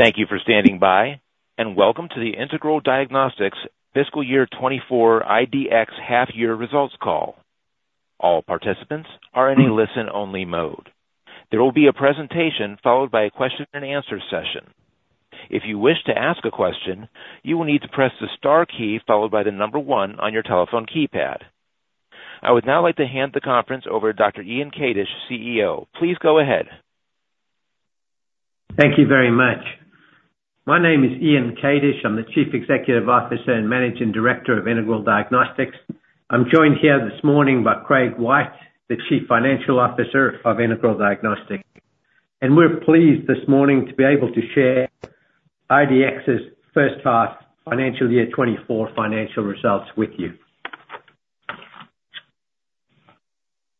Thank you for standing by, and welcome to the Integral Diagnostics Fiscal Year 2024 IDX Half Year Results Call. All participants are in a listen-only mode. There will be a presentation followed by a question and answer session. If you wish to ask a question, you will need to press the star key, followed by the number one on your telephone keypad. I would now like to hand the conference over to Dr. Ian Kadish, CEO. Please go ahead. Thank you very much. My name is Ian Kadish. I'm the Chief Executive Officer and Managing Director of Integral Diagnostics. I'm joined here this morning by Craig White, the Chief Financial Officer of Integral Diagnostics. We're pleased this morning to be able to share IDX's first half financial year 2024 financial results with you.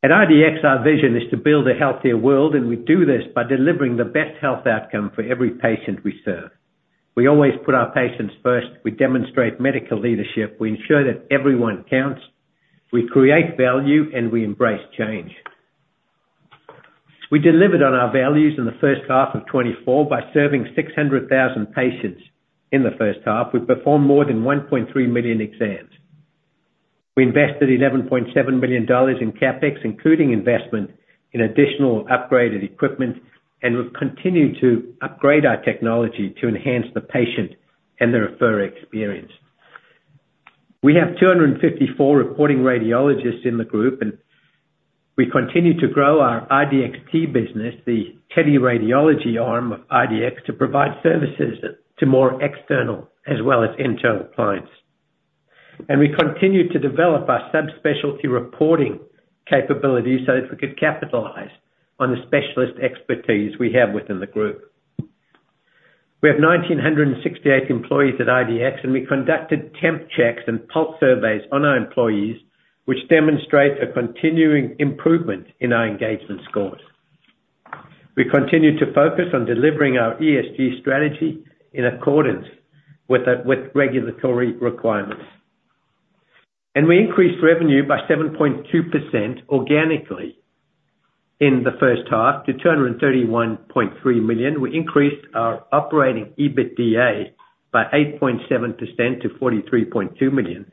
At IDX, our vision is to build a healthier world, and we do this by delivering the best health outcome for every patient we serve. We always put our patients first. We demonstrate medical leadership. We ensure that everyone counts, we create value, and we embrace change. We delivered on our values in the first half of 2024 by serving 600,000 patients. In the first half, we performed more than 1.3 million exams. We invested 11.7 million dollars in CapEx, including investment in additional upgraded equipment, and we've continued to upgrade our technology to enhance the patient and the referrer experience. We have 254 reporting radiologists in the group, and we continue to grow our IDXt business, the teleradiology arm of IDX, to provide services to more external as well as internal clients. We continued to develop our subspecialty reporting capabilities so that we could capitalize on the specialist expertise we have within the group. We have 1,968 employees at IDX, and we conducted temp checks and pulse surveys on our employees, which demonstrate a continuing improvement in our engagement scores. We continued to focus on delivering our ESG strategy in accordance with, with regulatory requirements. We increased revenue by 7.2% organically in the first half to 231.3 million. We increased our operating EBITDA by 8.7% to 43.2 million.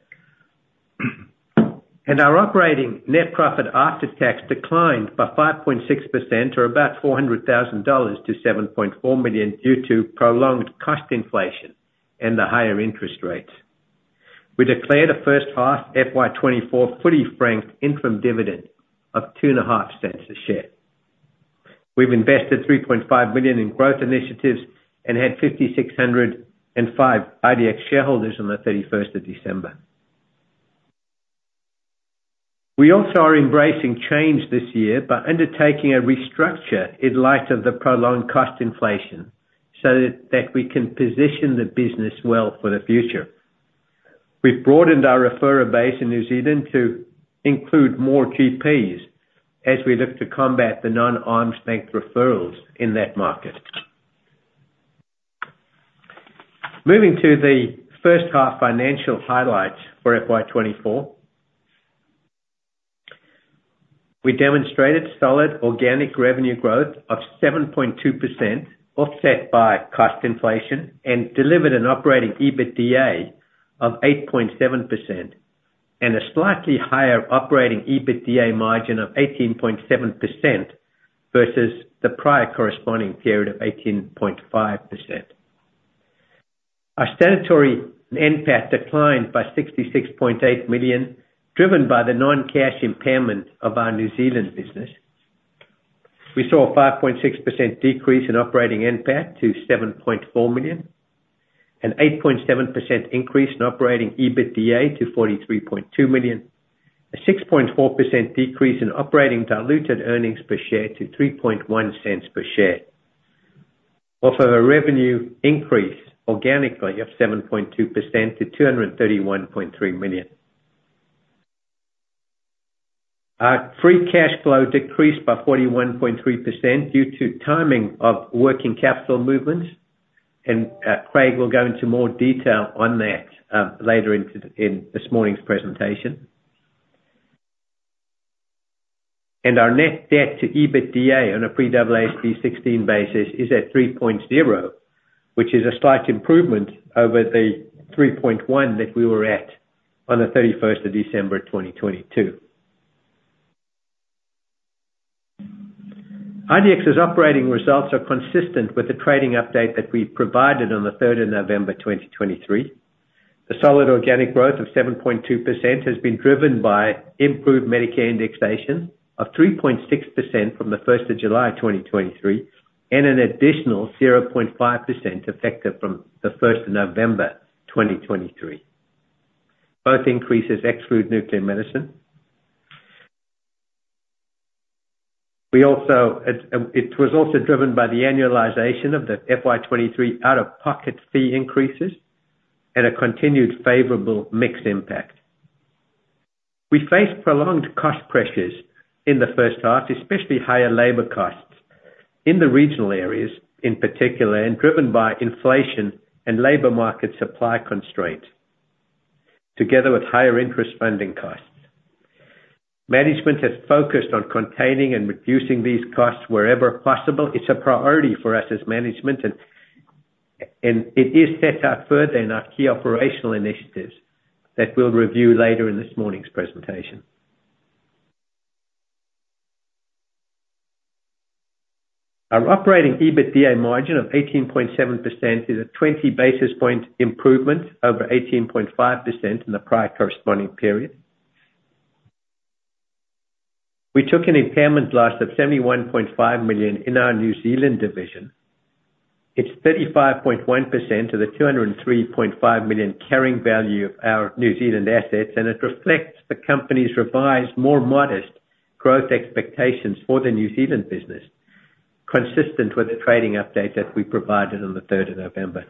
Our operating net profit after tax declined by 5.6% or about 400,000-7.4 million dollars due to prolonged cost inflation and the higher interest rates. We declared a first half FY 2024 fully franked interim dividend of 0.025 per share. We've invested 3.5 million in growth initiatives and had 5,605 IDX shareholders on the December 31st. We also are embracing change this year by undertaking a restructure in light of the prolonged cost inflation, so that we can position the business well for the future. We've broadened our referrer base in New Zealand to include more GPs as we look to combat the non-arm's length referrals in that market. Moving to the first half financial highlights for FY 2024. We demonstrated solid organic revenue growth of 7.2%, offset by cost inflation, and delivered an operating EBITDA of 8.7% and a slightly higher operating EBITDA margin of 18.7% versus the prior corresponding period of 18.5%. Our statutory NPAT declined by 66.8 million, driven by the non-cash impairment of our New Zealand business. We saw a 5.6% decrease in operating NPAT to 7.4 million, an 8.7% increase in operating EBITDA to 43.2 million, a 6.4% decrease in operating diluted earnings per share to 3.1 cents per share, off of a revenue increase organically of 7.2% to AUD 231.3 million. Our free cash flow decreased by 41.3% due to timing of working capital movements, and Craig will go into more detail on that later in this morning's presentation. Our net debt to EBITDA on a AASB 16 basis is at 3.0, which is a slight improvement over the 3.1 that we were at on December 31st, 2022. IDX's operating results are consistent with the trading update that we provided on the third of November 2023. The solid organic growth of 7.2% has been driven by improved Medicare indexation of 3.6% from the first of July 2023, and an additional 0.5% effective from the first of November 2023. Both increases exclude nuclear medicine. It was also driven by the annualization of the FY 2023 out-of-pocket fee increases and a continued favorable mixed impact. We faced prolonged cost pressures in the first half, especially higher labor costs in the regional areas in particular, and driven by inflation and labor market supply constraints, together with higher interest spending costs. Management has focused on containing and reducing these costs wherever possible. It's a priority for us as management, and it is set out further in our key operational initiatives that we'll review later in this morning's presentation. Our operating EBITDA margin of 18.7% is a 20 basis point improvement over 18.5% in the prior corresponding period. We took an impairment loss of 71.5 million in our New Zealand division. It's 35.1% of the 203.5 million carrying value of our New Zealand assets, and it reflects the company's revised, more modest growth expectations for the New Zealand business, consistent with the trading update that we provided on the third of November.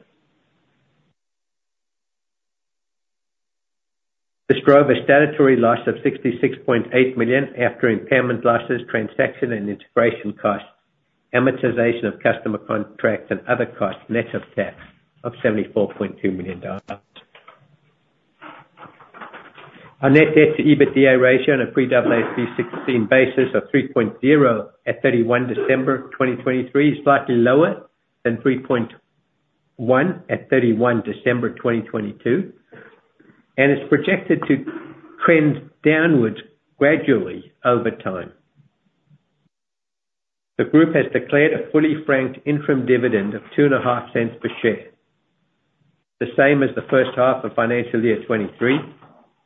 This drove a statutory loss of 66.8 million after impairment losses, transaction and integration costs, amortization of customer contracts and other costs, net of tax, of 74.2 million dollars. Our net debt to EBITDA ratio on a pre-AASB 16 basis of 3.0 at December 31st, 2023, is slightly lower than 3.1 at December 31st 2022, and it's projected to trend downwards gradually over time. The group has declared a fully franked interim dividend of 0.025 per share, the same as the first half of financial year 2023,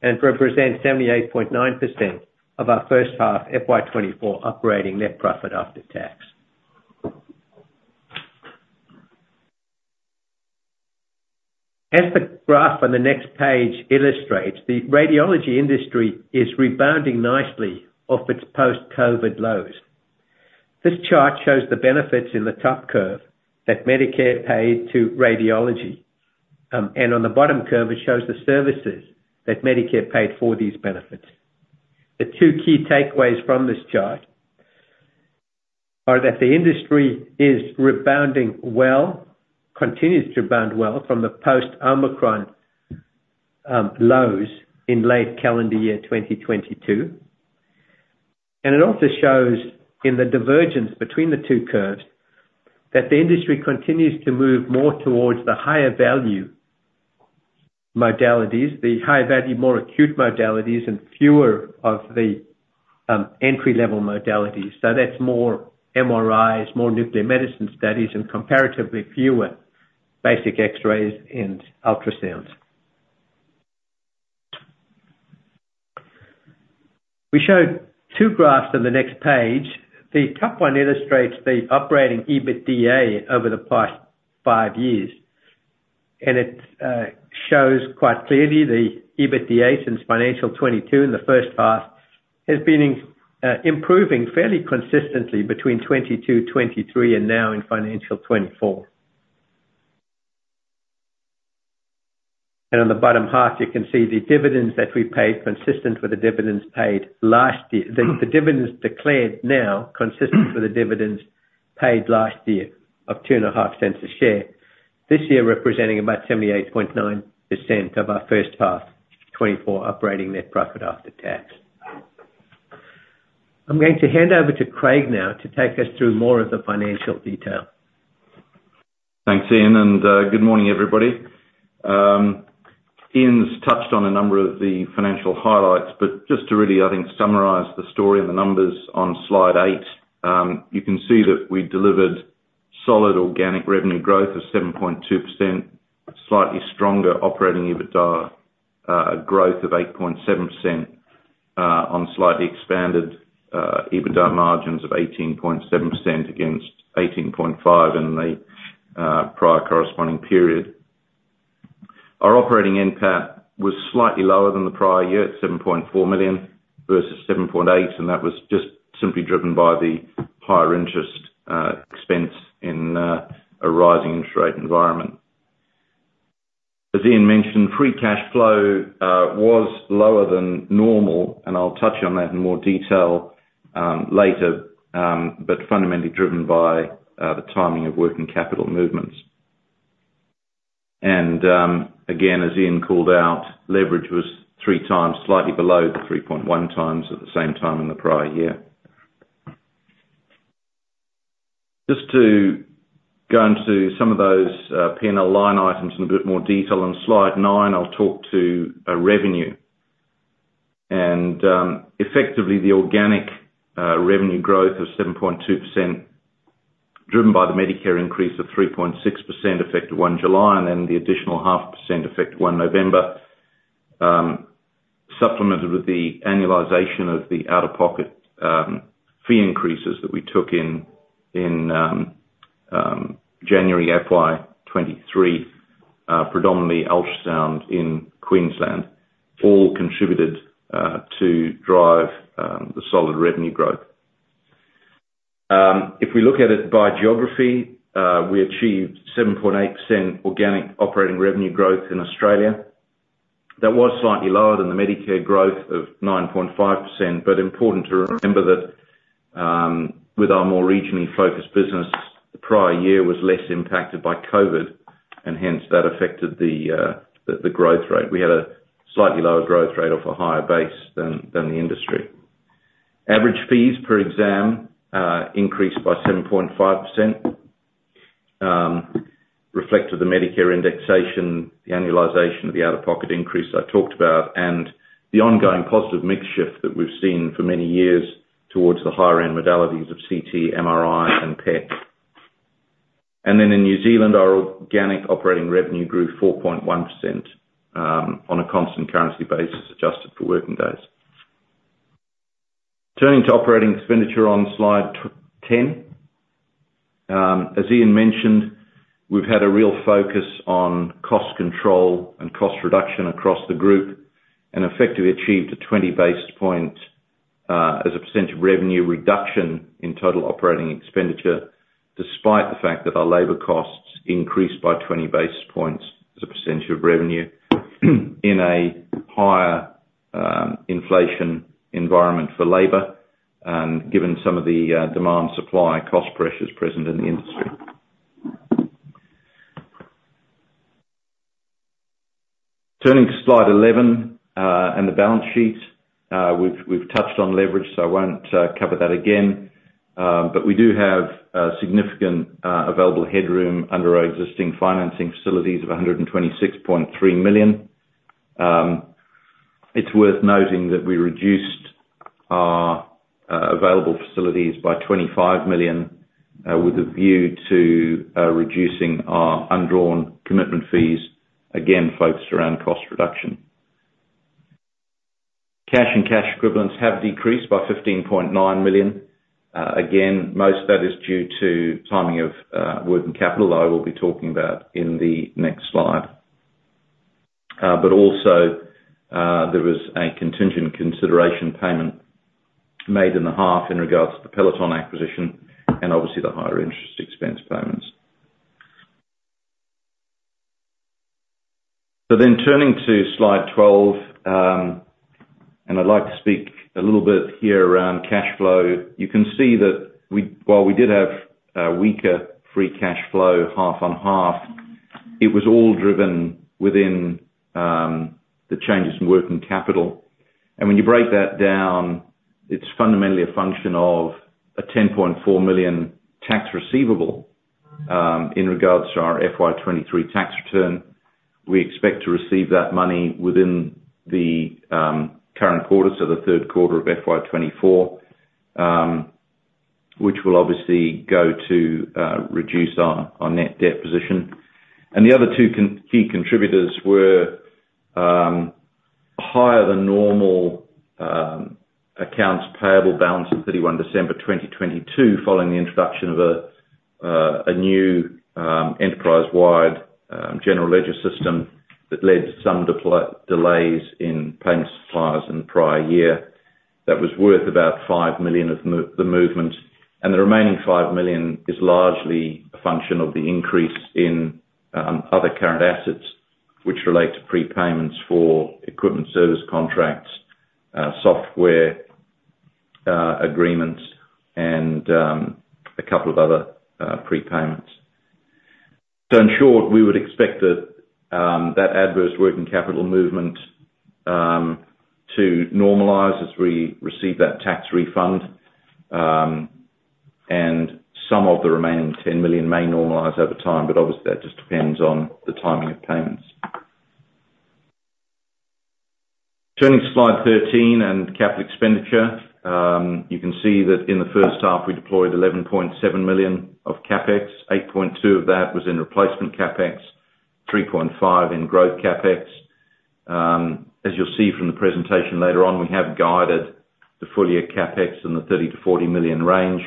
and represents 78.9% of our first half FY 2024 operating net profit after tax. As the graph on the next page illustrates, the radiology industry is rebounding nicely off its post-COVID lows. This chart shows the benefits in the top curve that Medicare paid to radiology. And on the bottom curve, it shows the services that Medicare paid for these benefits. The two key takeaways from this chart are that the industry is rebounding well, continues to rebound well from the post-Omicron lows in late calendar year 2022. It also shows, in the divergence between the two curves, that the industry continues to move more towards the higher value modalities, the higher value, more acute modalities, and fewer of the entry-level modalities. That's more MRIs, more nuclear medicine studies, and comparatively fewer basic X-rays and ultrasounds. We show two graphs on the next page. The top one illustrates the operating EBITDA over the past five years, and it shows quite clearly the EBITDA since financial 2022, in the first half, has been improving fairly consistently between 2022, 2023, and now in financial 2024. On the bottom half, you can see the dividends that we paid consistent with the dividends paid last year. The dividends declared now, consistent with the dividends paid last year, of 0.025 a share. This year representing about 78.9% of our first half 2024 operating net profit after tax. I'm going to hand over to Craig now to take us through more of the financial detail. Thanks, Ian, and good morning, everybody. Ian's touched on a number of the financial highlights, but just to really, I think, summarize the story and the numbers on slide eight, you can see that we delivered solid organic revenue growth of 7.2%, slightly stronger operating EBITDA growth of 8.7%, on slightly expanded EBITDA margins of 18.7% against 18.5% in the prior corresponding period. Our operating NPAT was slightly lower than the prior year, at 7.4 million versus 7.8 million, and that was just simply driven by the higher interest expense in a rising interest rate environment. As Ian mentioned, free cash flow was lower than normal, and I'll touch on that in more detail later, but fundamentally driven by the timing of working capital movements. Again, as Ian called out, leverage was 3x, slightly below the 3.1x at the same time in the prior year. Just to go into some of those P&L line items in a bit more detail. On slide nine, I'll talk to revenue. Effectively, the organic revenue growth of 7.2%, driven by the Medicare increase of 3.6%, effective July 1st, and then the additional 0.5%, effective November 1st, supplemented with the annualization of the out-of-pocket fee increases that we took in January FY 2023, predominantly ultrasound in Queensland, all contributed to drive the solid revenue growth. If we look at it by geography, we achieved 7.8% organic operating revenue growth in Australia. That was slightly lower than the Medicare growth of 9.5%, but important to remember that with our more regionally focused business, the prior year was less impacted by COVID, and hence that affected the growth rate. We had a slightly lower growth rate off a higher base than the industry. Average fees per exam increased by 7.5%, reflected the Medicare indexation, the annualization of the out-of-pocket increase I talked about, and the ongoing positive mix shift that we've seen for many years towards the higher end modalities of CT, MRI, and PET. And then in New Zealand, our organic operating revenue grew 4.1%, on a constant currency basis, adjusted for working days. Turning to operating expenditure on Slide 10, as Ian mentioned, we've had a real focus on cost control and cost reduction across the group, and effectively achieved a 20 basis point as a percentage of revenue reduction in total operating expenditure, despite the fact that our labor costs increased by 20 basis points as a percentage of revenue, in a higher inflation environment for labor, given some of the demand supply cost pressures present in the industry. Turning to Slide 11 and the balance sheet, we've touched on leverage, so I won't cover that again. But we do have significant available headroom under our existing financing facilities of 126.3 million. It's worth noting that we reduced our available facilities by 25 million, with a view to reducing our undrawn commitment fees, again, focused around cost reduction. Cash and cash equivalents have decreased by 15.9 million. Again, most of that is due to timing of working capital, I will be talking about in the next slide. But also, there was a contingent consideration payment made in the half in regards to the Peloton acquisition, and obviously the higher interest expense payments. So then turning to Slide 12, and I'd like to speak a little bit here around cash flow. You can see that we, while we did have a weaker free cash flow, half on half, it was all driven within the changes in working capital. When you break that down, it's fundamentally a function of a 10.4 million tax receivable in regards to our FY 2023 tax return. We expect to receive that money within the current quarter, so the third quarter of FY 2024, which will obviously go to reduce our net debt position. The other two key contributors were higher than normal accounts payable balance at December 31st, 2022, following the introduction of a new enterprise-wide general ledger system that led to some delays in paying suppliers in the prior year. That was worth about 5 million of the movement, and the remaining 5 million is largely a function of the increase in other current assets, which relate to prepayments for equipment service contracts, software agreements, and a couple of other prepayments. In short, we would expect that, that adverse working capital movement, to normalize as we receive that tax refund, and some of the remaining 10 million may normalize over time, but obviously, that just depends on the timing of payments. Turning to Slide 13, and capital expenditure, you can see that in the first half, we deployed 11.7 million of CapEx. 8.2 of that was in replacement CapEx, 3.5 in growth CapEx. As you'll see from the presentation later on, we have guided the full-year CapEx in the 30 million-40 million range.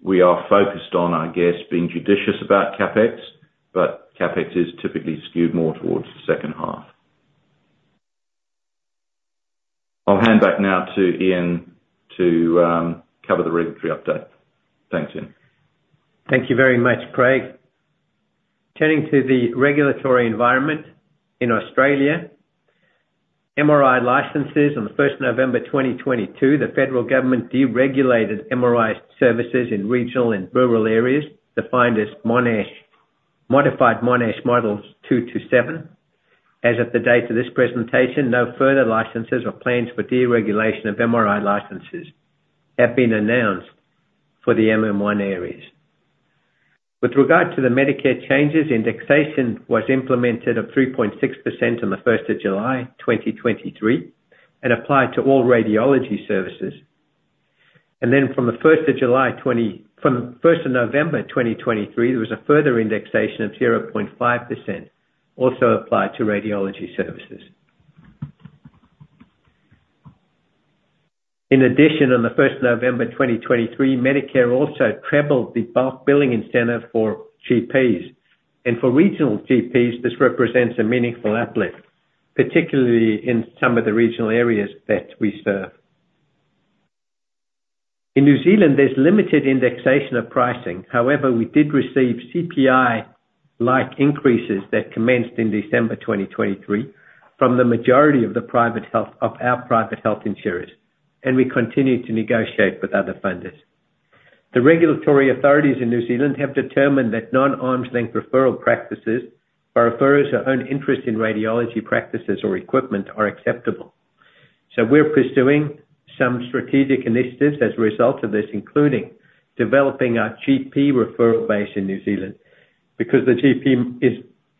We are focused on, I guess, being judicious about CapEx, but CapEx is typically skewed more towards the second half. I'll hand back now to Ian to cover the regulatory update. Thanks, Ian. Thank you very much, Craig. Turning to the regulatory environment in Australia, MRI licenses on the November 1st 2022, the federal government deregulated MRI services in regional and rural areas, defined as Modified Monash Model 2-Modified Monash Model 7. As of the date of this presentation, no further licenses or plans for deregulation of MRI licenses have been announced for the MM1 areas. With regard to the Medicare changes, indexation was implemented of 3.6% on the first of July 2023, and applied to all radiology services. From the first of November 2023, there was a further indexation of 0.5%, also applied to radiology services. In addition, on the first November 2023, Medicare also trebled the bulk billing incentive for GPs, and for regional GPs, this represents a meaningful uplift, particularly in some of the regional areas that we serve. In New Zealand, there's limited indexation of pricing. However, we did receive CPI-like increases that commenced in December 2023 from the majority of the private health insurers, and we continue to negotiate with other funders. The regulatory authorities in New Zealand have determined that non-arm's length referral practices, where referrers have an ownership interest in radiology practices or equipment, are acceptable. So we're pursuing some strategic initiatives as a result of this, including developing our GP referral base in New Zealand, because the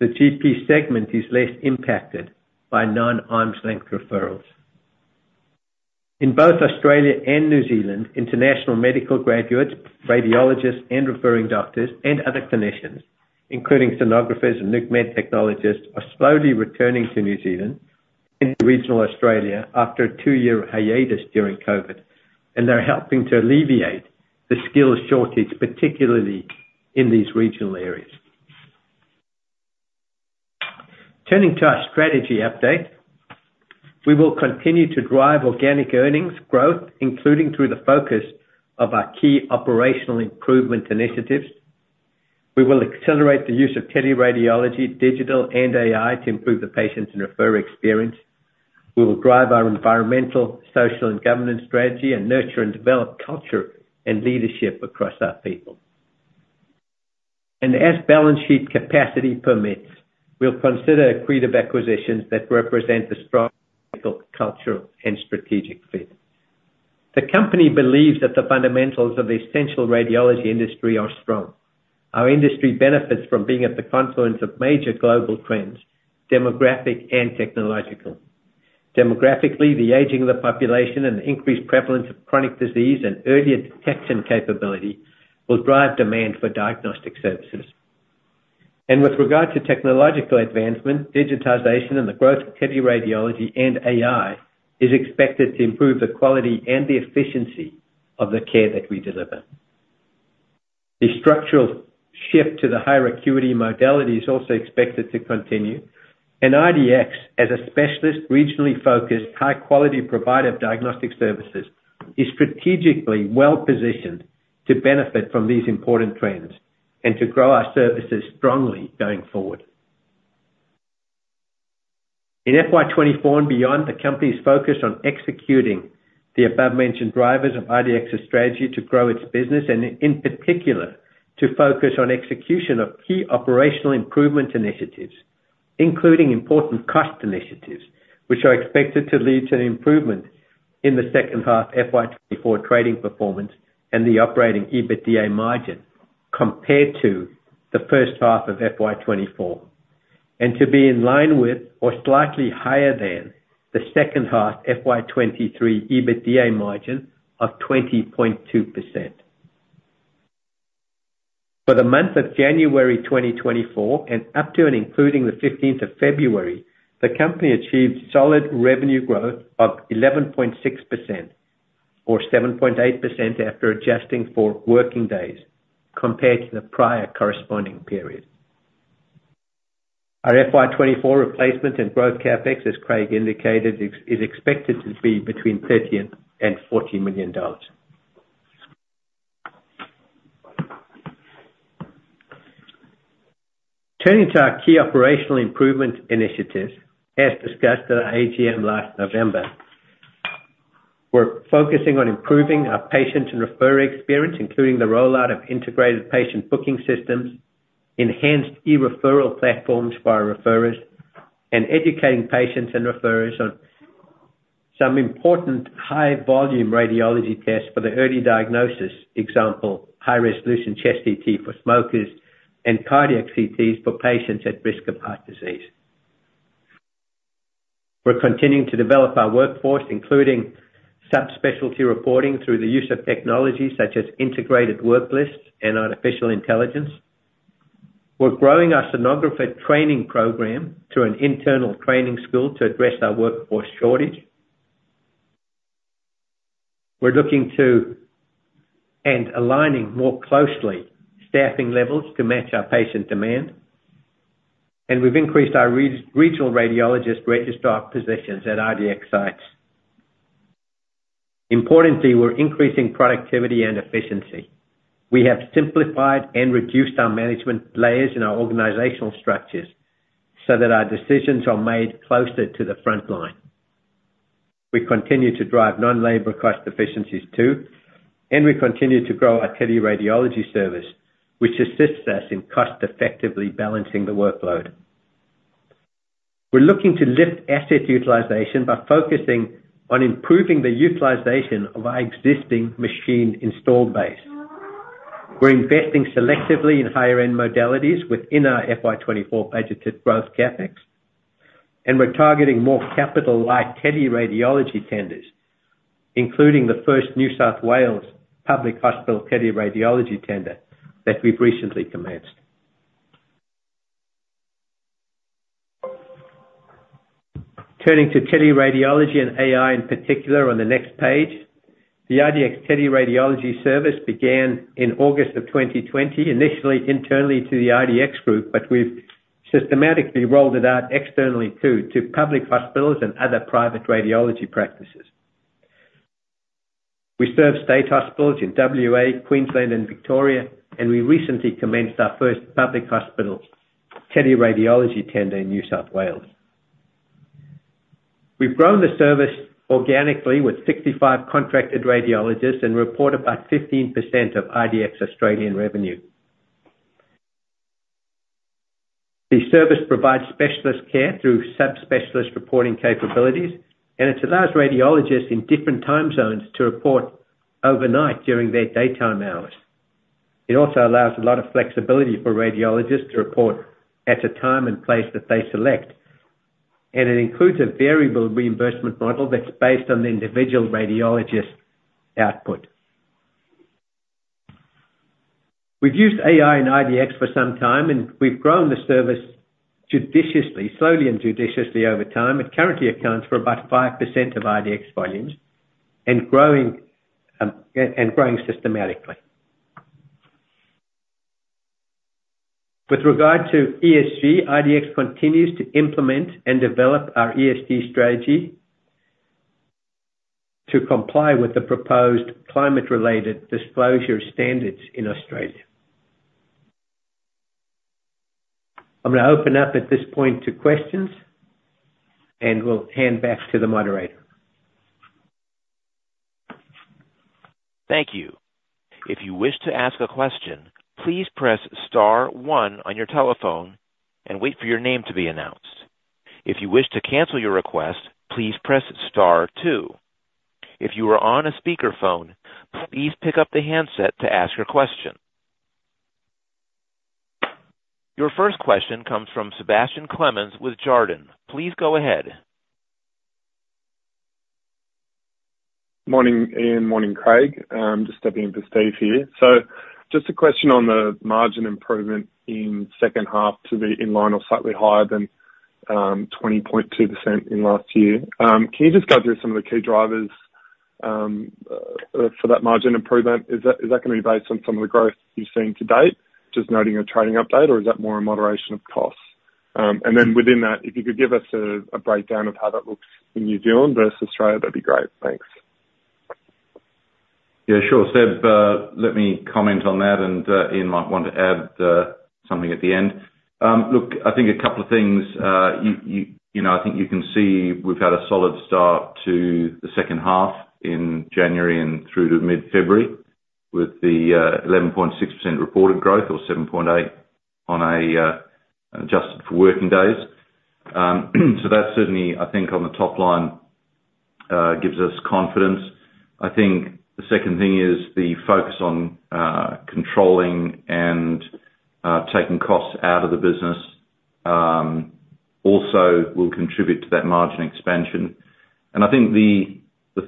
GP segment is less impacted by non-arm's length referrals. In both Australia and New Zealand, international medical graduates, radiologists, and referring doctors, and other clinicians, including sonographers and nuc med technologists, are slowly returning to New Zealand and regional Australia after a two-year hiatus during COVID, and they're helping to alleviate the skills shortage, particularly in these regional areas. Turning to our strategy update. We will continue to drive organic earnings growth, including through the focus of our key operational improvement initiatives. We will accelerate the use of teleradiology, digital, and AI to improve the patients' and referrer experience. We will drive our environmental, social, and governance strategy, and nurture and develop culture and leadership across our people. And as balance sheet capacity permits, we'll consider accretive acquisitions that represent a strong cultural and strategic fit. The company believes that the fundamentals of the essential radiology industry are strong. Our industry benefits from being at the confluence of major global trends, demographic and technological. Demographically, the aging of the population and the increased prevalence of chronic disease and earlier detection capability will drive demand for diagnostic services. With regard to technological advancement, digitization, and the growth of teleradiology and AI is expected to improve the quality and the efficiency of the care that we deliver. The structural shift to the higher acuity modality is also expected to continue, and IDX, as a specialist, regionally focused, high-quality provider of diagnostic services, is strategically well positioned to benefit from these important trends and to grow our services strongly going forward. In FY 2024 and beyond, the company is focused on executing the above-mentioned drivers of IDX's strategy to grow its business and, in particular, to focus on execution of key operational improvement initiatives, including important cost initiatives, which are expected to lead to an improvement in the second half FY 2024 trading performance and the operating EBITDA margin compared to the first half of FY 2024, and to be in line with or slightly higher than the second half FY 2023 EBITDA margin of 20.2%. For the month of January 2024 and up to and including the February, 15th the company achieved solid revenue growth of 11.6%, or 7.8% after adjusting for working days, compared to the prior corresponding period. Our FY 2024 replacement and growth CapEx, as Craig indicated, is expected to be between 30 million and 40 million dollars. Turning to our key operational improvement initiatives. As discussed at our AGM last November, we're focusing on improving our patient and referrer experience, including the rollout of integrated patient booking systems, enhanced e-referral platforms for our referrers, and educating patients and referrers on some important high-volume radiology tests for the early diagnosis. Example, high-resolution chest CT for smokers and cardiac CTs for patients at risk of heart disease. We're continuing to develop our workforce, including subspecialty reporting through the use of technologies such as integrated work lists and artificial intelligence. We're growing our sonographer training program through an internal training school to address our workforce shortage. We're looking to and aligning more closely staffing levels to match our patient demand, and we've increased our regional radiologist registrar positions at IDX sites. Importantly, we're increasing productivity and efficiency. We have simplified and reduced our management layers in our organizational structures so that our decisions are made closer to the front line. We continue to drive non-labor cost efficiencies, too, and we continue to grow our teleradiology service, which assists us in cost-effectively balancing the workload. We're looking to lift asset utilization by focusing on improving the utilization of our existing machine installed base. We're investing selectively in higher-end modalities within our FY 2024 budgeted growth CapEx, and we're targeting more capital, like teleradiology tenders, including the first New South Wales public hospital teleradiology tender that we've recently commenced. Turning to teleradiology and AI in particular on the next page. The IDX Teleradiology service began in August 2020, initially internally to the IDX group, but we've systematically rolled it out externally, too, to public hospitals and other private radiology practices. We serve state hospitals in WA, Queensland, and Victoria, and we recently commenced our first public hospital teleradiology tender in New South Wales. We've grown the service organically with 65 contracted radiologists and report about 15% of IDX Australian revenue. The service provides specialist care through subspecialist reporting capabilities, and it allows radiologists in different time zones to report overnight during their daytime hours. It also allows a lot of flexibility for radiologists to report at the time and place that they select. And it includes a variable reimbursement model that's based on the individual radiologist's output. We've used AI and IDX for some time, and we've grown the service judiciously, slowly and judiciously over time. It currently accounts for about 5% of IDX volumes and growing, and growing systematically. With regard to ESG, IDX continues to implement and develop our ESG strategy to comply with the proposed climate-related disclosure standards in Australia. I'm gonna open up at this point to questions, and we'll hand back to the moderator. Thank you. If you wish to ask a question, please press star one on your telephone and wait for your name to be announced. If you wish to cancel your request, please press star two. If you are on a speakerphone, please pick up the handset to ask your question. Your first question comes from Sebastian Clemens with Jarden. Please go ahead. Morning, Ian, morning, Craig. I'm just stepping in for Steve here. So just a question on the margin improvement in second half to be in line or slightly higher than 20.2% in last year. Can you just go through some of the key drivers for that margin improvement? Is that, is that gonna be based on some of the growth you've seen to date, just noting a trading update, or is that more a moderation of costs? And then within that, if you could give us a breakdown of how that looks in New Zealand versus Australia, that'd be great. Thanks. Yeah, sure, Seb, let me comment on that, and Ian might want to add something at the end. Look, I think a couple of things, you know, I think you can see we've had a solid start to the second half in January and through to mid-February with the 11.6% reported growth or 7.8 on a adjusted for working days. So that's certainly, I think on the top line, gives us confidence. I think the second thing is the focus on controlling and taking costs out of the business, also will contribute to that margin expansion. And I think the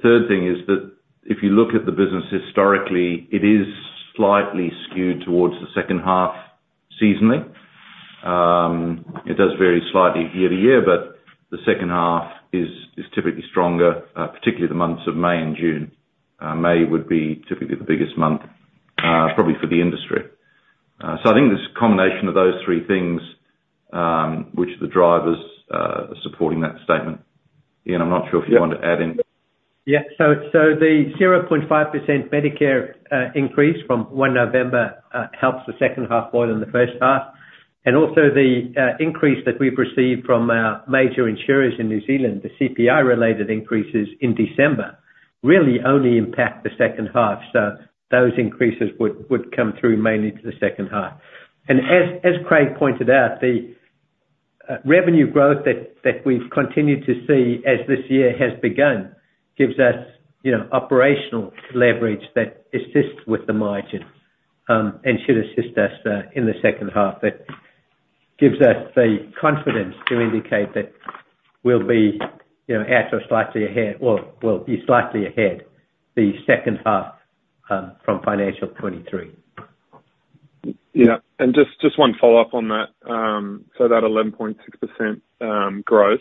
third thing is that if you look at the business historically, it is slightly skewed towards the second half seasonally. It does vary slightly year to year, but the second half is typically stronger, particularly the months of May and June. May would be typically the biggest month, probably for the industry. So I think this combination of those three things, which the drivers are supporting that statement. Ian, I'm not sure if you want to add in. Yeah. So the 0.5% Medicare increase from November, 1st helps the second half more than the first half, and also the increase that we've received from our major insurers in New Zealand, the CPI-related increases in December, really only impact the second half. So those increases would come through mainly to the second half. And as Craig pointed out, the revenue growth that we've continued to see as this year has begun, gives us, you know, operational leverage that assists with the margins, and should assist us in the second half. It gives us the confidence to indicate that we'll be, you know, at or slightly ahead, well, we'll be slightly ahead the second half from financial 2023. Yeah, and just, just one follow-up on that. So that 11.6% growth,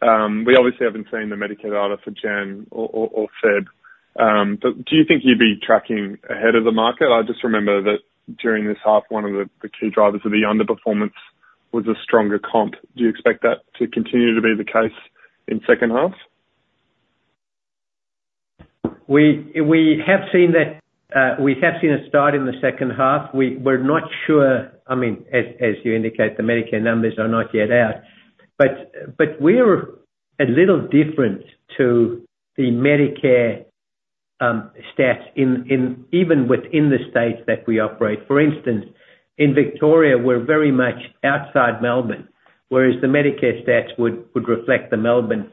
we obviously haven't seen the Medicare data for January or, or, or February. But do you think you'd be tracking ahead of the market? I just remember that during this half, one of the, the key drivers of the underperformance was a stronger comp. Do you expect that to continue to be the case in second half? We have seen a start in the second half. We're not sure, I mean, as you indicate, the Medicare numbers are not yet out, but we're a little different to the Medicare stats in even within the states that we operate. For instance, in Victoria, we're very much outside Melbourne, whereas the Medicare stats would reflect the Melbourne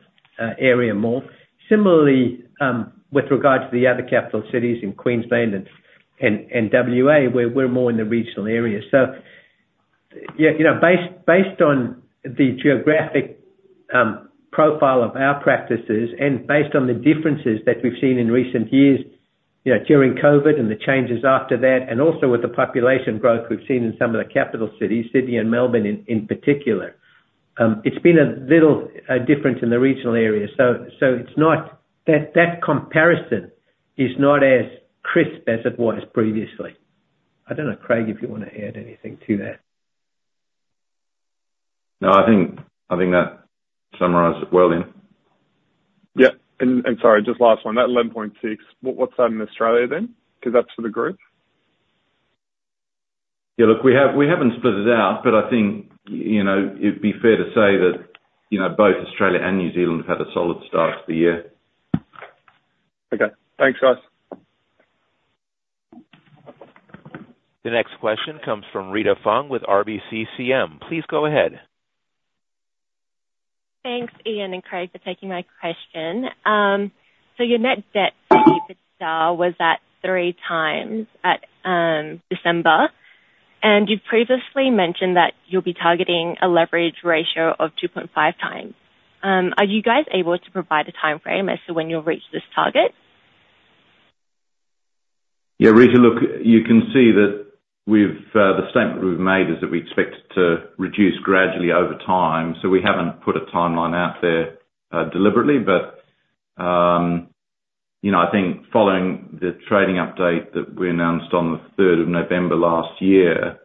area more. Similarly, with regards to the other capital cities in Queensland and WA, where we're more in the regional areas. So, yeah, you know, based on the geographic profile of our practices and based on the differences that we've seen in recent years, you know, during COVID and the changes after that, and also with the population growth we've seen in some of the capital cities, Sydney and Melbourne in particular, it's been a little different in the regional areas. So it's not that comparison is not as crisp as it was previously. I don't know, Craig, if you wanna add anything to that? No, I think, I think that summarized it well, Ian. Yeah, and, and sorry, just last one, that 11.6, what's that in Australia then? Because that's for the group. Yeah, look, we haven't split it out, but I think, you know, it'd be fair to say that, you know, both Australia and New Zealand have had a solid start to the year. Okay. Thanks, guys. The next question comes from Rita Fung with RBC Capital Markets. Please go ahead. Thanks, Ian and Craig, for taking my question. So your net debt to EBITDA was at 3x at December, and you've previously mentioned that you'll be targeting a leverage ratio of 2.5x. Are you guys able to provide a timeframe as to when you'll reach this target? Yeah, Rita, look, you can see that we've, the statement we've made is that we expect it to reduce gradually over time, so we haven't put a timeline out there, deliberately. But, you know, I think following the trading update that we announced on the third of November last year,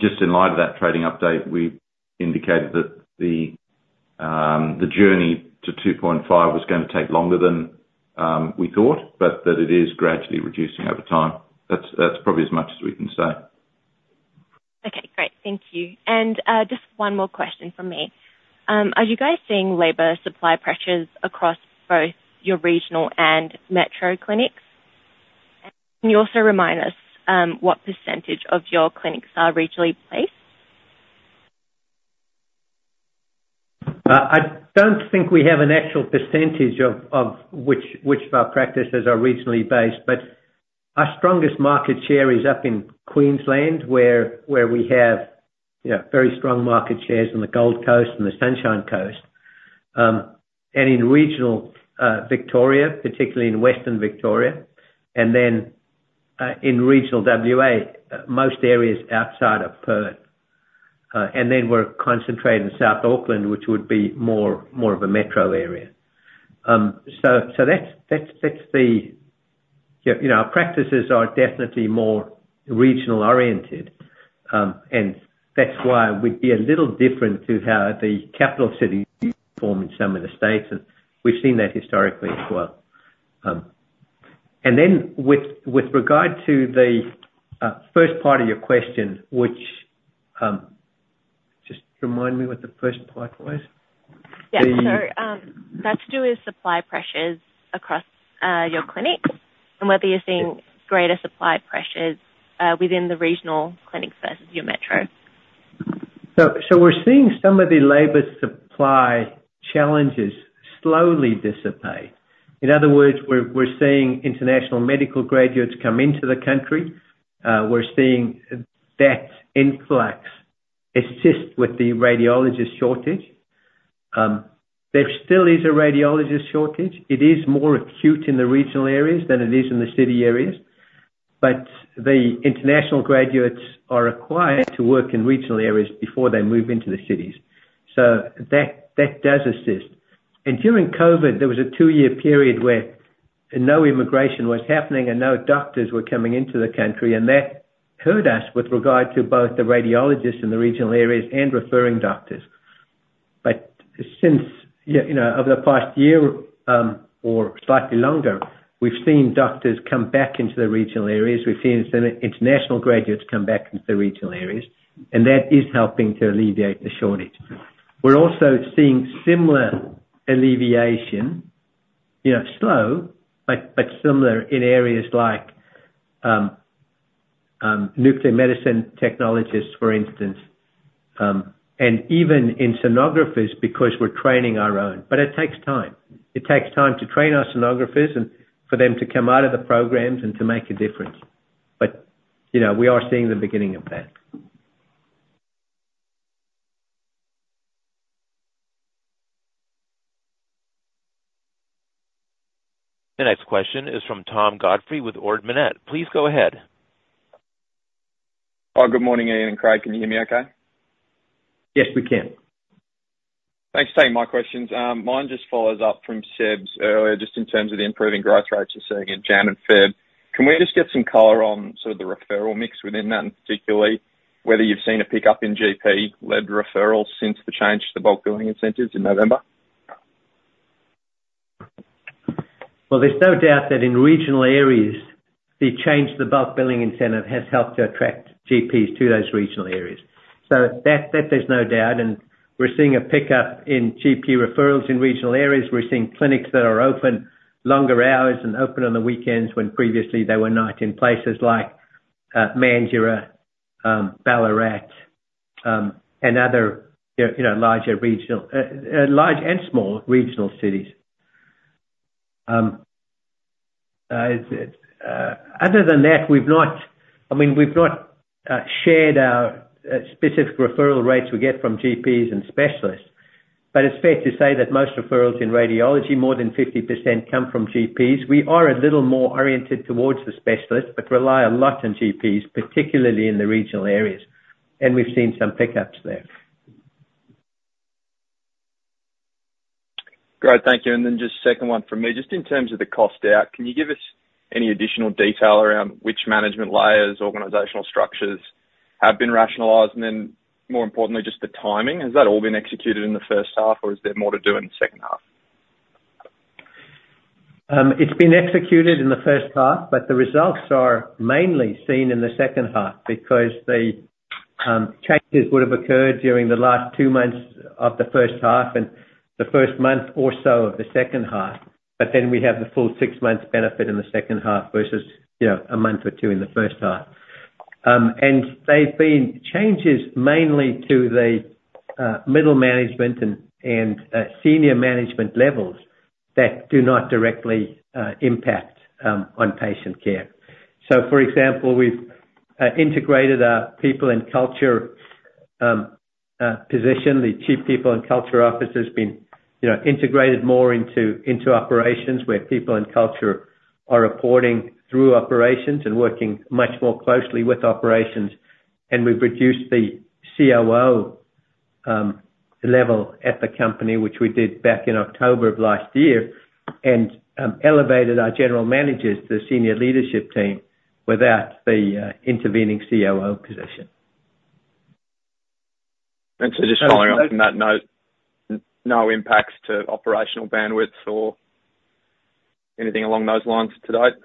just in light of that trading update, we indicated that the, the journey to 2.5x was gonna take longer than, we thought, but that it is gradually reducing over time. That's, that's probably as much as we can say. Okay, great. Thank you. And just one more question from me. Are you guys seeing labor supply pressures across both your regional and metro clinics? Can you also remind us what percentage of your clinics are regionally placed? I don't think we have an actual percentage of which of our practices are regionally based, but our strongest market share is up in Queensland, where we have, you know, very strong market shares on the Gold Coast and the Sunshine Coast. And in regional Victoria, particularly in western Victoria, and then in regional WA, most areas outside of Perth. And then we're concentrated in South Auckland, which would be more of a metro area. You know, our practices are definitely more regional-oriented, and that's why we'd be a little different to how the capital city perform in some of the states, and we've seen that historically as well. And then with regard to the first part of your question, which, just remind me what the first part was? The- Yeah. So, that to do with supply pressures across your clinics and whether you're seeing greater supply pressures within the regional clinics versus your metro? So, we're seeing some of the labor supply challenges slowly dissipate. In other words, we're seeing international medical graduates come into the country. We're seeing that influx assist with the radiologist shortage. There still is a radiologist shortage. It is more acute in the regional areas than it is in the city areas, but the international graduates are required to work in regional areas before they move into the cities, so that does assist. And during COVID, there was a two-year period where no immigration was happening and no doctors were coming into the country, and that hurt us with regard to both the radiologists in the regional areas and referring doctors. But since, yeah, you know, over the past year, or slightly longer, we've seen doctors come back into the regional areas. We've seen some international graduates come back into the regional areas, and that is helping to alleviate the shortage. We're also seeing similar alleviation, you know, slow, but, but similar in areas like, nuclear medicine technologists, for instance, and even in sonographers, because we're training our own, but it takes time. It takes time to train our sonographers and for them to come out of the programs and to make a difference. But, you know, we are seeing the beginning of that. The next question is from Tom Godfrey with Ord Minnett. Please go ahead. Hi, good morning, Ian and Craig. Can you hear me okay? Yes, we can. Thanks for taking my questions. My one just follows up from Seb's earlier, just in terms of the improving growth rates you're seeing in January and February. Can we just get some color on sort of the referral mix within that, and particularly, whether you've seen a pickup in GP-led referrals since the change to the bulk billing incentives in November? Well, there's no doubt that in regional areas, the change to the bulk billing incentive has helped to attract GPs to those regional areas. So that there's no doubt, and we're seeing a pickup in GP referrals in regional areas. We're seeing clinics that are open longer hours and open on the weekends, when previously they were not in places like Mandurah, Ballarat, and other, you know, larger regional, large and small regional cities. Other than that, I mean, we've not shared our specific referral rates we get from GPs and specialists, but it's fair to say that most referrals in radiology, more than 50% come from GPs. We are a little more oriented towards the specialists, but rely a lot on GPs, particularly in the regional areas, and we've seen some pick-ups there. Great, thank you. And then just second one from me. Just in terms of the cost out, can you give us any additional detail around which management layers, organizational structures have been rationalized? And then more importantly, just the timing, has that all been executed in the first half, or is there more to do in the second half? It's been executed in the first half, but the results are mainly seen in the second half because the changes would have occurred during the last two months of the first half and the first month or so of the second half. But then we have the full six months benefit in the second half versus, you know, a month or two in the first half. And they've been changes mainly to the middle management and senior management levels that do not directly impact on patient care. So for example, we've integrated our people and culture position. The Chief People and Culture office has been, you know, integrated more into operations, where people and culture are reporting through operations and working much more closely with operations. And we've reduced the COO level at the company, which we did back in October of last year, and elevated our general managers to the senior leadership team without the intervening COO position. Just following up on that note, no impacts to operational bandwidth or anything along those lines to date?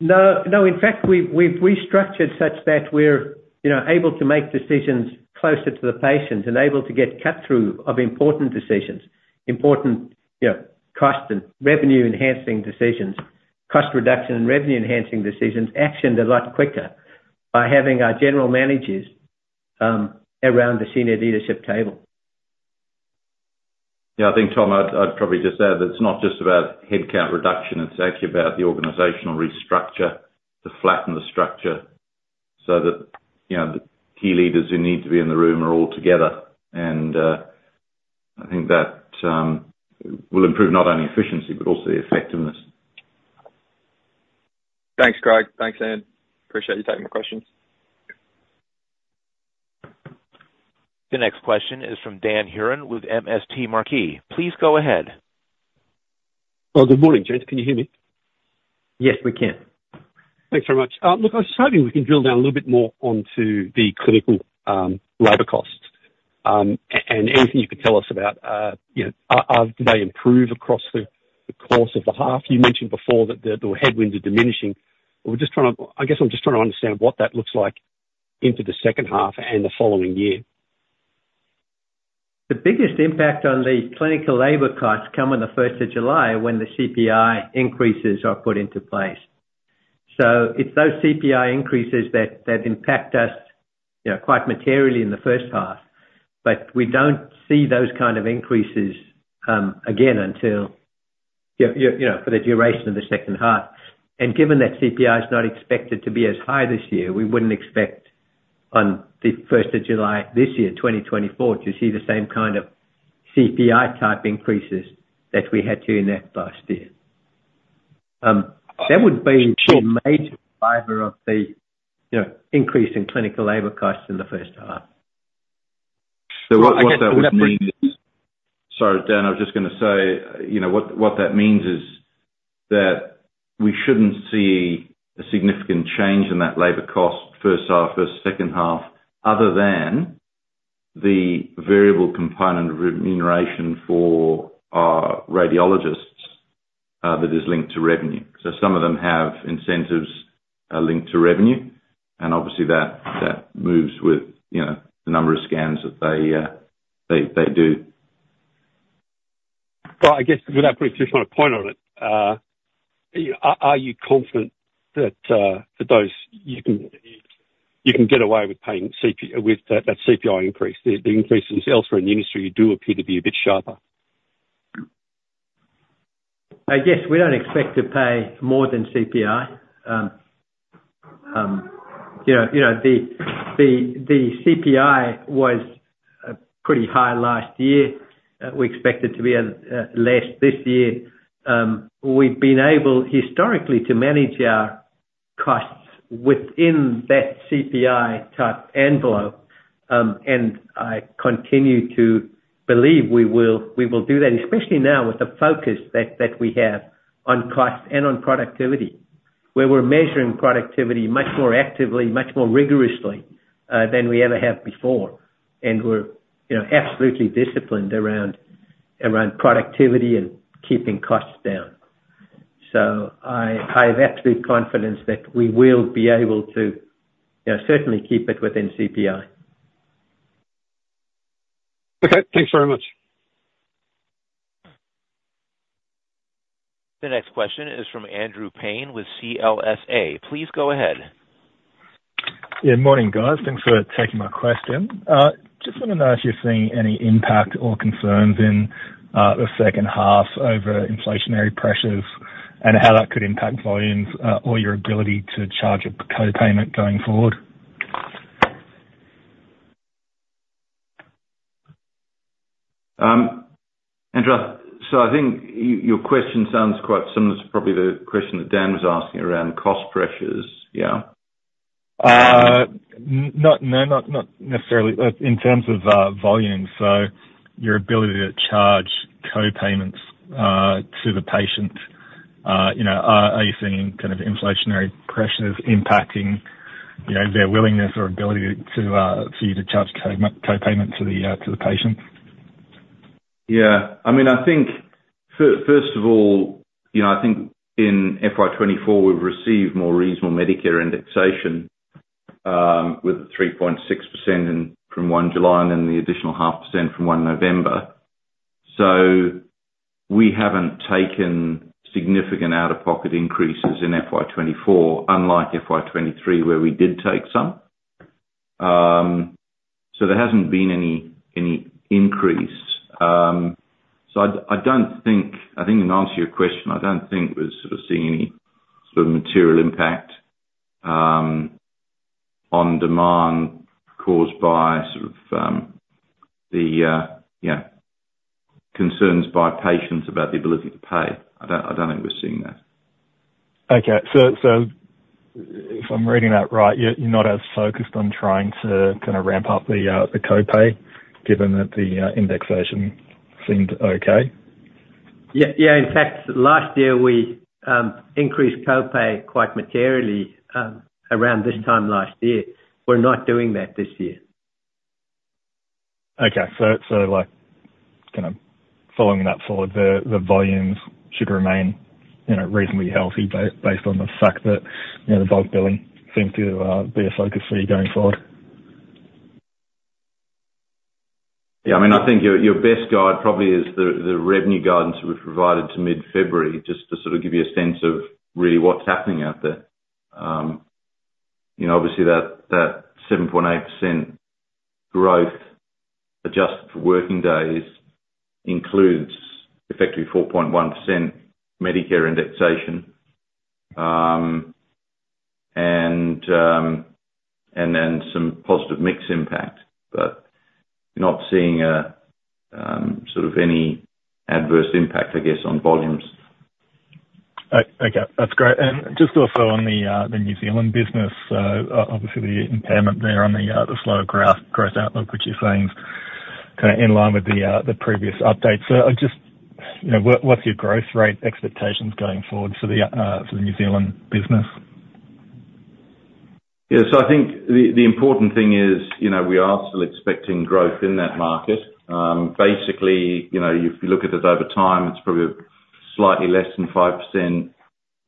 No, no. In fact, we've, we've restructured such that we're, you know, able to make decisions closer to the patients and able to get cut-through of important decisions, important, you know, cost and revenue-enhancing decisions, cost reduction and revenue-enhancing decisions, actioned a lot quicker by having our general managers around the senior leadership table. Yeah, I think, Tom, I'd probably just add that it's not just about headcount reduction, it's actually about the organizational restructure to flatten the structure so that, you know, the key leaders who need to be in the room are all together. I think that will improve not only efficiency, but also the effectiveness. Thanks, Craig. Thanks, Ian. Appreciate you taking my questions. The next question is from Dan Hurren with MST Marquee. Please go ahead. Well, good morning, gents. Can you hear me? Yes, we can. Thanks very much. Look, I was hoping we can drill down a little bit more onto the clinical labor costs. And anything you could tell us about, you know, do they improve across the course of the half? You mentioned before that the headwinds are diminishing. We're just trying to... I guess I'm just trying to understand what that looks like into the second half and the following year. The biggest impact on the clinical labor costs come on the first of July, when the CPI increases are put into place. So it's those CPI increases that, that impact us, you know, quite materially in the first half. But we don't see those kind of increases, again until, you know, for the duration of the second half. And given that CPI is not expected to be as high this year, we wouldn't expect on the first of July this year, 2024, to see the same kind of CPI-type increases that we had during that last year. That would be a major driver of the, you know, increase in clinical labor costs in the first half. Sorry, Dan, I was just gonna say, you know, what that means is that we shouldn't see a significant change in that labor cost first half versus second half, other than the variable component of remuneration for our radiologists that is linked to revenue. So some of them have incentives linked to revenue, and obviously that moves with, you know, the number of scans that they do. Well, I guess, without putting too fine a point on it, are you confident that for those, you can get away with paying CPI with that CPI increase? The increases elsewhere in the industry do appear to be a bit sharper. I guess we don't expect to pay more than CPI. You know, the CPI was pretty high last year. We expect it to be less this year. We've been able, historically, to manage our costs within that CPI-type envelope, and I continue to believe we will do that, especially now with the focus that we have on cost and on productivity, where we're measuring productivity much more actively, much more rigorously, than we ever have before. And we're, you know, absolutely disciplined around productivity and keeping costs down. So I have absolute confidence that we will be able to, you know, certainly keep it within CPI. Okay, thanks very much. The next question is from Andrew Paine with CLSA. Please go ahead. Yeah, morning, guys. Thanks for taking my question. Just wanna know if you're seeing any impact or concerns in the second half over inflationary pressures, and how that could impact volumes or your ability to charge a co-payment going forward? Andrew, so I think your question sounds quite similar to probably the question that Dan was asking around cost pressures. Yeah?... Not necessarily. In terms of volume, so your ability to charge co-payments to the patient, you know, are you seeing kind of inflationary pressures impacting, you know, their willingness or ability for you to charge co-payments to the patient? Yeah. I mean, I think first of all, you know, I think in FY 2024, we've received more reasonable Medicare indexation, with 3.6% in, from July 1st and then the additional 0.5% from November 1st. So we haven't taken significant out-of-pocket increases in FY 2024, unlike FY 2023, where we did take some. So there hasn't been any, any increase. So I don't think—I think in answer to your question, I don't think we're sort of seeing any sort of material impact, on demand caused by sort of, the, yeah, concerns by patients about the ability to pay. I don't, I don't think we're seeing that. Okay. So, so if I'm reading that right, you're, you're not as focused on trying to kind of ramp up the, the co-pay, given that the, indexation seemed okay? Yeah, yeah. In fact, last year we increased co-pay quite materially around this time last year. We're not doing that this year. Okay. So, like, kind of following that forward, the volumes should remain, you know, reasonably healthy based on the fact that, you know, the bulk billing seems to be a focus for you going forward. Yeah, I mean, I think your best guide probably is the revenue guidance we've provided to mid-February, just to sort of give you a sense of really what's happening out there. You know, obviously, that 7.8% growth, adjusted for working days, includes effectively 4.1% Medicare indexation, and then some positive mix impact. But not seeing a sort of any adverse impact, I guess, on volumes. Okay, that's great. And just also on the New Zealand business, obviously the impairment there on the slower growth outlook, which you're saying is kind of in line with the previous update. So just, you know, what's your growth rate expectations going forward for the New Zealand business? Yeah, so I think the important thing is, you know, we are still expecting growth in that market. Basically, you know, if you look at it over time, it's probably slightly less than 5%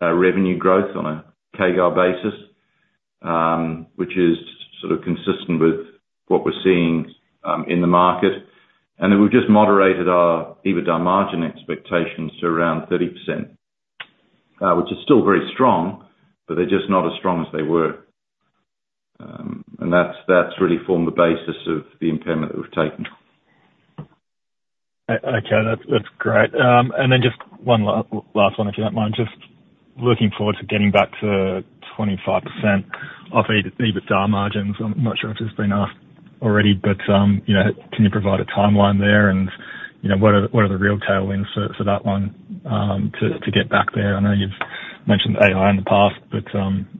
revenue growth on a CAGR basis, which is sort of consistent with what we're seeing in the market. And then we've just moderated our EBITDA margin expectations to around 30%, which is still very strong, but they're just not as strong as they were. And that's really formed the basis of the impairment that we've taken. Okay, that's great. And then just one last one, if you don't mind. Just looking forward to getting back to 25% of EBITDA margins. I'm not sure if this has been asked already, but you know, can you provide a timeline there? And you know, what are the real tailwinds for that one to get back there? I know you've mentioned AI in the past, but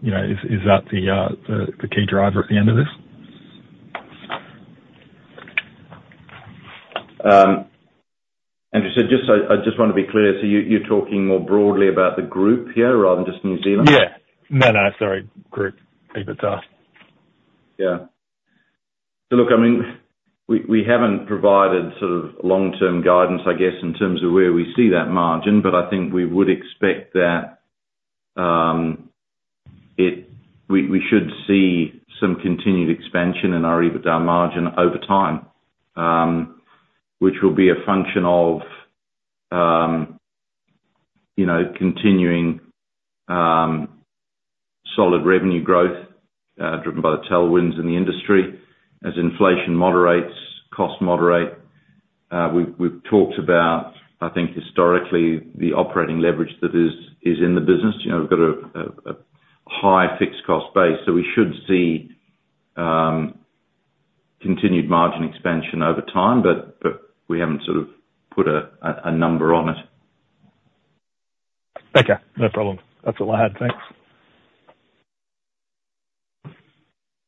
you know, is that the key driver at the end of this? I just want to be clear, so you're talking more broadly about the group here rather than just New Zealand? Yeah. No, no, sorry. Group, EBITDA. Yeah. So look, I mean, we, we haven't provided sort of long-term guidance, I guess, in terms of where we see that margin, but I think we would expect that, it- we, we should see some continued expansion in our EBITDA margin over time, which will be a function of, you know, continuing, solid revenue growth, driven by the tailwinds in the industry. As inflation moderates, costs moderate. We've, we've talked about, I think, historically, the operating leverage that is, is in the business. You know, we've got a, a, a high fixed cost base, so we should see, continued margin expansion over time, but, but we haven't sort of put a, a, a number on it. Okay, no problem. That's all I had. Thanks.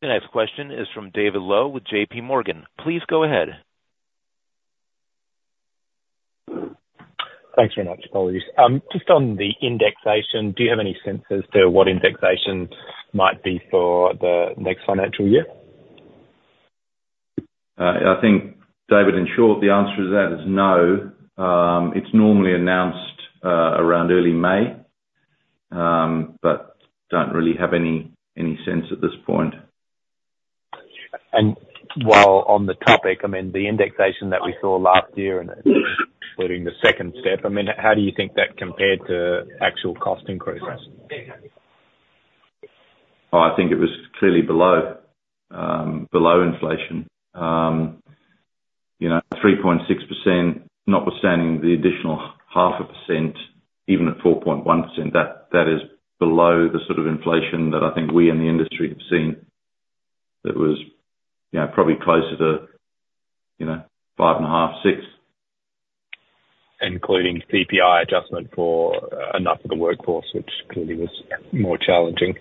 The next question is from David Low with J.P. Morgan. Please go ahead. Thanks very much. Apologies. Just on the indexation, do you have any sense as to what indexation might be for the next financial year? I think, David, in short, the answer to that is no. It's normally announced around early May, but don't really have any sense at this point. While on the topic, I mean, the indexation that we saw last year, and including the second step, I mean, how do you think that compared to actual cost increases? Well, I think it was clearly below inflation. You know, 3.6%, notwithstanding the additional 0.5%, even at 4.1%, that is below the sort of inflation that I think we in the industry have seen. That was, you know, probably closer to, you know, 5.5%-6%.... including CPI adjustment for enough of the workforce, which clearly was more challenging.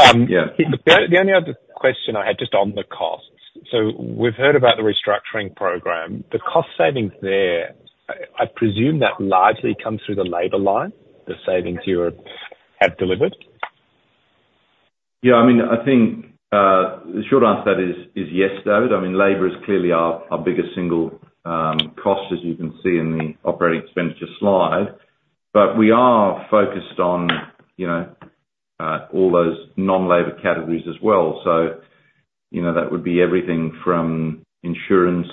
Yeah. The only other question I had, just on the costs. So we've heard about the restructuring program, the cost savings there, I presume that largely comes through the labor line, the savings you have delivered? Yeah, I mean, I think, the short answer to that is yes, David. I mean, labor is clearly our biggest single cost, as you can see in the operating expenditure slide. But we are focused on, you know, all those non-labor categories as well. So, you know, that would be everything from insurance,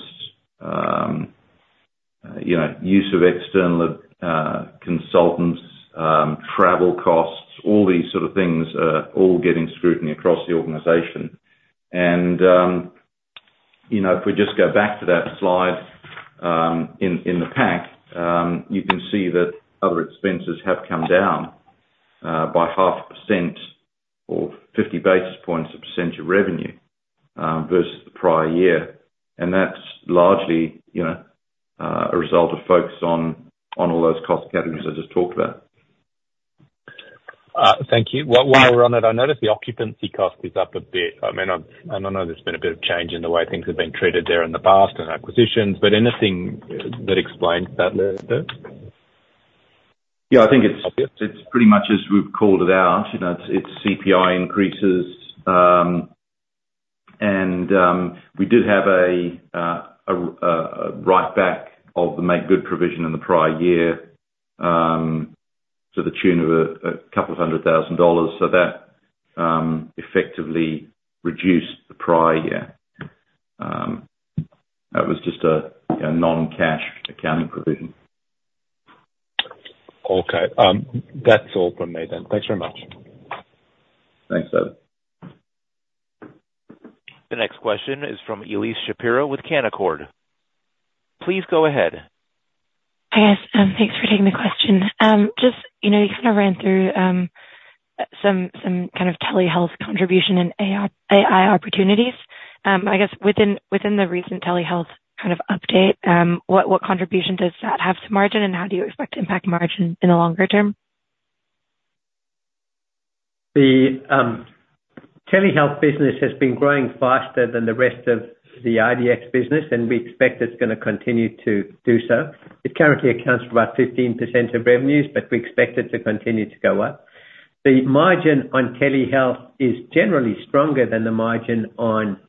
you know, use of external consultants, travel costs, all these sort of things are all getting scrutiny across the organization. And, you know, if we just go back to that slide, in the pack, you can see that other expenses have come down, by 0.5% or 50 basis points a percentage of revenue, versus the prior year. And that's largely, you know, a result of focus on all those cost categories I just talked about. Thank you. One more on it. I noticed the occupancy cost is up a bit. I mean, I know there's been a bit of change in the way things have been treated there in the past and acquisitions, but anything that explains that bit? Yeah, I think it's pretty much as we've called it out. You know, it's CPI increases, and we did have a writeback of the make good provision in the prior year, to the tune of 200,000 dollars. So that effectively reduced the prior year. That was just a non-cash accounting provision. Okay. That's all from me then. Thanks very much. Thanks, David. The next question is from Elyse Shapiro with Canaccord. Please go ahead. Hi, guys. Thanks for taking the question. Just, you know, you kind of ran through some kind of telehealth contribution and AI, AI opportunities. I guess within the recent telehealth kind of update, what contribution does that have to margin, and how do you expect to impact margin in the longer term? The teleradiology business has been growing faster than the rest of the IDX business, and we expect it's gonna continue to do so. It currently accounts for about 15% of revenues, but we expect it to continue to go up. The margin on teleradiology is generally stronger than the margin on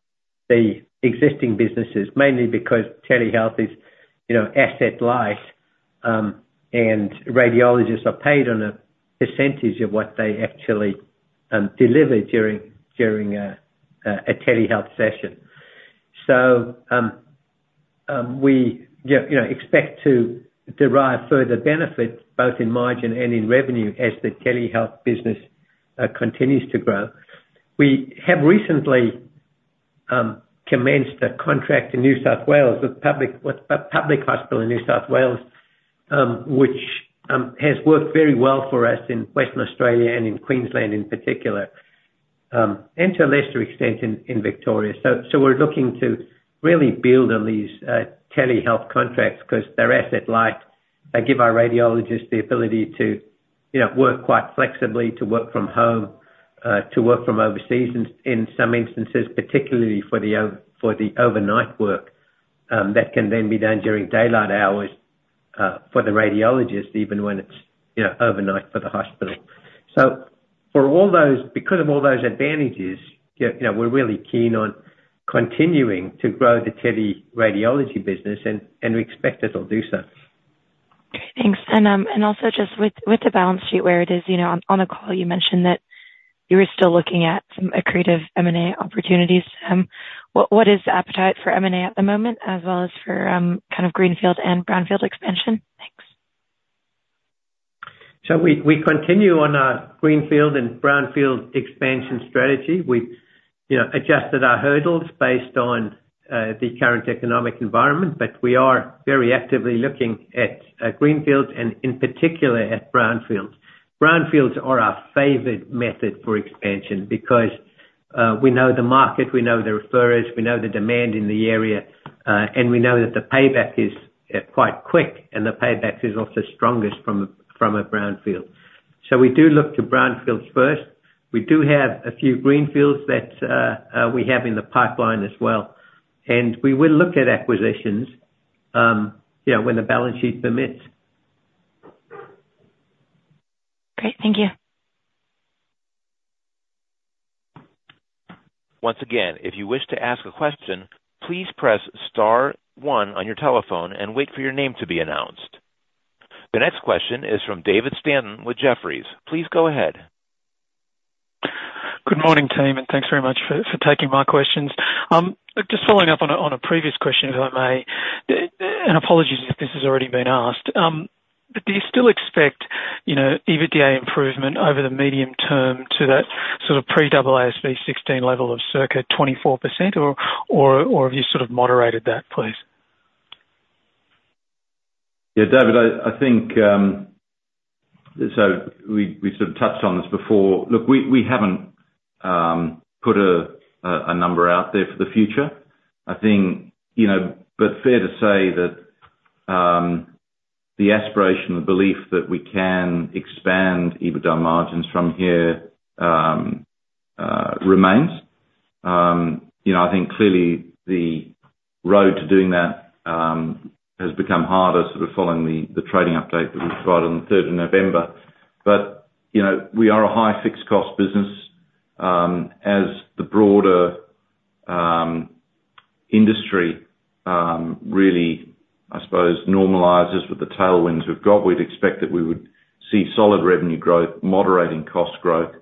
the existing businesses, mainly because teleradiology is, you know, asset light, and radiologists are paid on a percentage of what they actually deliver during a teleradiology session. So, we, you know, expect to derive further benefits, both in margin and in revenue, as the teleradiology business continues to grow. We have recently commenced a contract in New South Wales with a public hospital in New South Wales, which has worked very well for us in Western Australia and in Queensland in particular, and to a lesser extent in Victoria. So we're looking to really build on these teleradiology contracts, 'cause they're asset light. They give our radiologists the ability to, you know, work quite flexibly, to work from home, to work from overseas in some instances, particularly for the overnight work, that can then be done during daylight hours for the radiologist, even when it's, you know, overnight for the hospital. So for all those because of all those advantages, you know, we're really keen on continuing to grow the teleradiology business, and we expect it'll do so. Thanks. And also just with the balance sheet where it is, you know, on the call, you mentioned that you were still looking at some accretive M&A opportunities. What is the appetite for M&A at the moment, as well as for kind of greenfield and brownfield expansion? Thanks. So we continue on our greenfield and brownfield expansion strategy. We've, you know, adjusted our hurdles based on the current economic environment, but we are very actively looking at greenfields and in particular at brownfields. Brownfields are our favored method for expansion because we know the market, we know the referrers, we know the demand in the area, and we know that the payback is quite quick, and the payback is also strongest from a brownfield. So we do look to brownfields first. We do have a few greenfields that we have in the pipeline as well, and we will look at acquisitions, you know, when the balance sheet permits. Great. Thank you. Once again, if you wish to ask a question, please press star one on your telephone and wait for your name to be announced. The next question is from David Stanton with Jefferies. Please go ahead. Good morning, team, and thanks very much for taking my questions. Just following up on a previous question, if I may, and apologies if this has already been asked. But do you still expect, you know, EBITDA improvement over the medium term to that sort of pre-AASB 16 level of circa 24%, or have you sort of moderated that, please? Yeah, David, I think. So we sort of touched on this before. Look, we haven't put a number out there for the future. I think, you know, but fair to say that the aspiration, the belief that we can expand EBITDA margins from here remains. You know, I think clearly the road to doing that has become harder sort of following the trading update that we provided on the third of November. But, you know, we are a high fixed cost business. As the broader industry really, I suppose, normalizes with the tailwinds we've got, we'd expect that we would see solid revenue growth, moderating cost growth,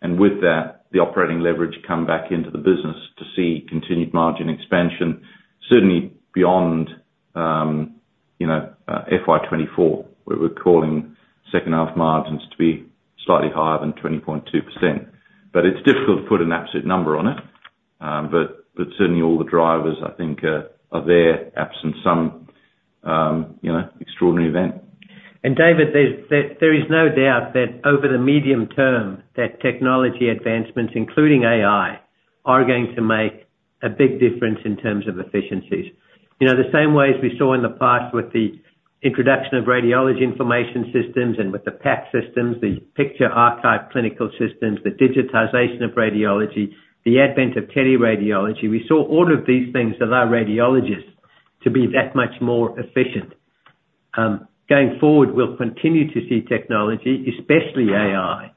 and with that, the operating leverage come back into the business to see continued margin expansion, certainly beyond, you know, FY 2024, where we're calling second half margins to be slightly higher than 20.2%. But it's difficult to put an absolute number on it. But certainly all the drivers, I think, are there, absent some, you know, extraordinary event. And David, there is no doubt that over the medium term, technology advancements, including AI, are going to make a big difference in terms of efficiencies. You know, the same way as we saw in the past with the introduction of radiology information systems and with the PACS, the picture archiving and communication system, the digitization of radiology, the advent of teleradiology. We saw all of these things allow radiologists to be that much more efficient. Going forward, we'll continue to see technology, especially AI,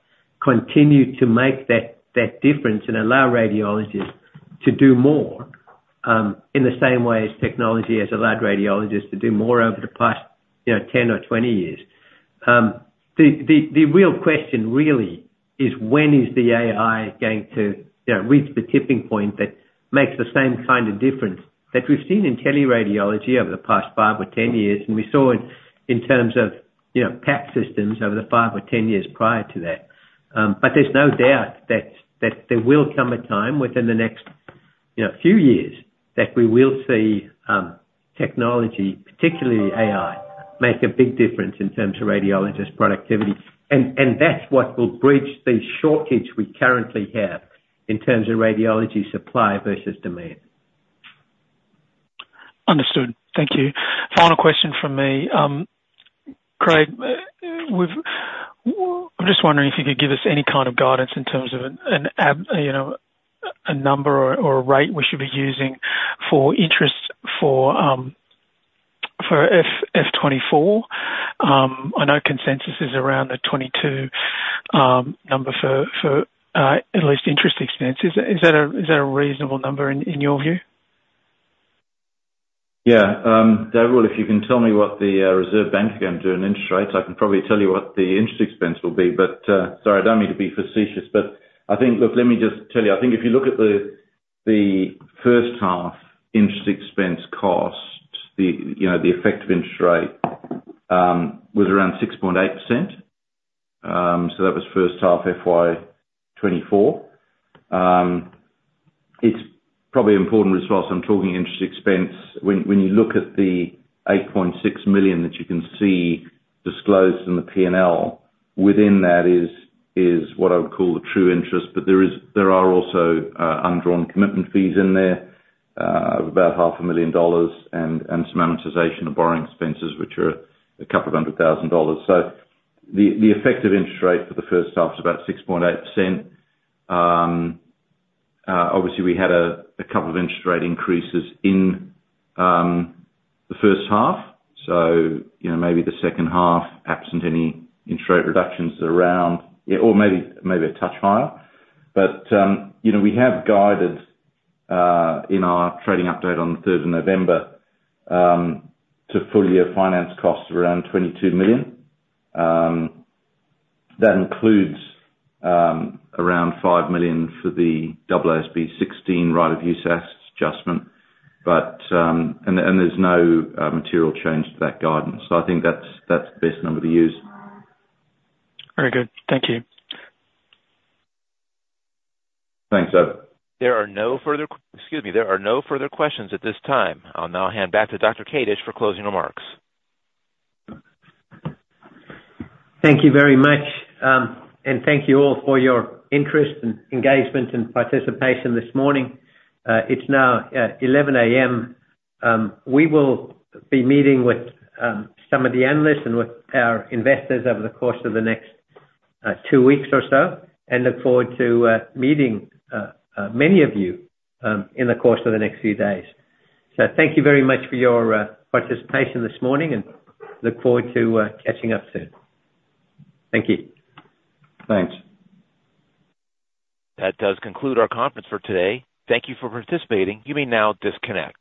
continue to make that difference and allow radiologists to do more, in the same way as technology has allowed radiologists to do more over the past, you know, 10 years or 20 years. The real question really is when is the AI going to, you know, reach the tipping point that makes the same kind of difference that we've seen in teleradiology over the past 5 years or 10 years, and we saw it in terms of, you know, PACS over the 5 years or 10 years prior to that? But there's no doubt that there will come a time within the next, you know, few years that we will see technology, particularly AI, make a big difference in terms of radiologist productivity, and that's what will bridge the shortage we currently have in terms of radiology supply versus demand. Understood. Thank you. Final question from me. Craig, I'm just wondering if you could give us any kind of guidance in terms of you know, a number or a rate we should be using for interest for FY 2024. I know consensus is around the 22 number for the interest expense. Is that a reasonable number in your view? Yeah. David, well, if you can tell me what the, Reserve Bank are going to do on interest rates, I can probably tell you what the interest expense will be. But, sorry, I don't mean to be facetious, but I think... Look, let me just tell you. I think if you look at the, the first half interest expense cost, the, you know, the effective interest rate, was around 6.8%. So that was first half FY 2024. It's probably important as well, so I'm talking interest expense. When you look at the 8.6 million that you can see disclosed in the P&L, within that is what I would call the true interest, but there are also undrawn commitment fees in there of about 500,000 dollars and some amortization of borrowing expenses, which are 200,000 dollars. So the effective interest rate for the first half is about 6.8%. Obviously, we had a couple of interest rate increases in the first half, so, you know, maybe the second half, absent any interest rate reductions around, or maybe a touch higher. But, you know, we have guided in our trading update on the third of November to full year finance costs of around 22 million. That includes around 5 million for the AASB 16 right-of-use assets adjustment, but and there's no material change to that guidance. So I think that's the best number to use. Very good. Thank you. Thanks, David. Excuse me, there are no further questions at this time. I'll now hand back to Dr. Kadish for closing remarks. Thank you very much, and thank you all for your interest and engagement and participation this morning. It's now 11:00 A.M. We will be meeting with some of the analysts and with our investors over the course of the next two weeks or so, and look forward to meeting many of you in the course of the next few days. So thank you very much for your participation this morning, and look forward to catching up soon. Thank you. Thanks. That does conclude our conference for today. Thank you for participating. You may now disconnect.